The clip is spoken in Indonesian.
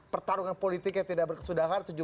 pertarungan politik yang tidak berkesudahan